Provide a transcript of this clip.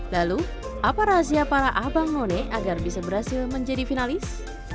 lalu apa rahasia para abang none agar bisa berhasil menjadi finalis